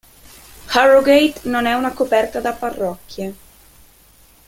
Harrogate non è coperta da parrocchie.